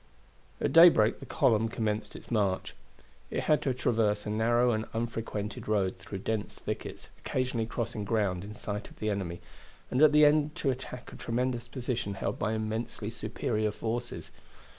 At daybreak the column commenced its march. It had to traverse a narrow and unfrequented road through dense thickets, occasionally crossing ground in sight of the enemy, and at the end to attack a tremendous position held by immensely superior forces.